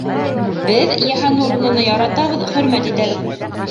Беҙ Йыһаннуровнаны яратабыҙ, хөрмәт итәбеҙ!